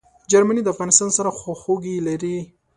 جرمني د افغانستان سره خواخوږي لري.